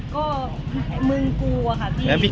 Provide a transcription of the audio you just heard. ก็มึงกูอะค่ะพี่